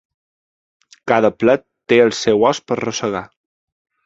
Cada plet té el seu os per rosegar.